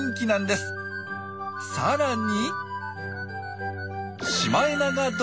さらに。